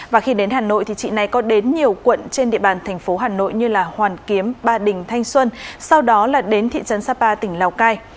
và khi đến hà nội thì chị này có đến nhiều quận trên địa bàn thành phố hà nội như hoàn kiếm ba đình thanh xuân sau đó là đến thị trấn sapa tỉnh lào cai